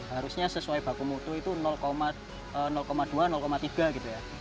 harusnya sesuai baku mutu itu dua tiga gitu ya